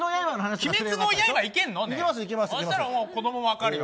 そしたら、子どもは分かるよ。